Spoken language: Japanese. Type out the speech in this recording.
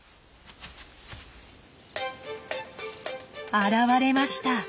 現れました。